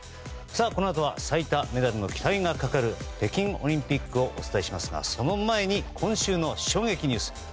このあとは最多メダルの期待がかかる北京オリンピックをお伝えしますがその前に今週の衝撃ニュース。